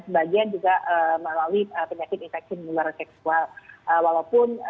sebagian juga melalui penyakit infeksi menular seksual walaupun